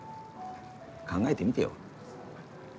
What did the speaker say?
考えてみてよ。